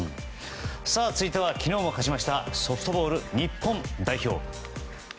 続いて昨日も勝ちましたソフトボール日本代表。